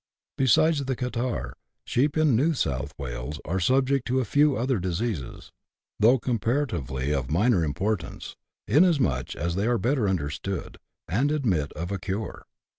Besides the catarrh, sheep in New South Wales are subject to a few other diseases, though comparatively of minor importance, inasmuch as they are better understood, and admit of a cure.